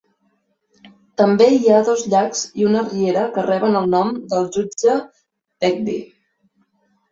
També hi ha dos llacs i una riera que reben el nom del jutge Begbie.